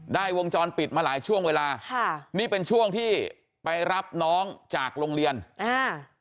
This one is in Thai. วงจรปิดมาหลายช่วงเวลาค่ะนี่เป็นช่วงที่ไปรับน้องจากโรงเรียนอ่า